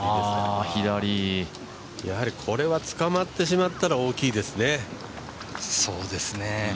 これはつかまってしまったら大きいですね。